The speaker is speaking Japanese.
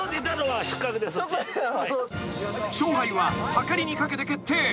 ［勝敗ははかりに掛けて決定。